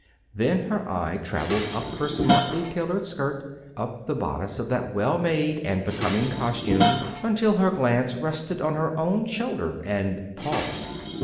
Then her eye traveled up her smartly tailored skirt, up the bodice of that well made and becoming costume until her glance rested on her own shoulder and paused.